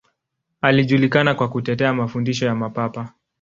Alijulikana kwa kutetea mafundisho ya Mapapa.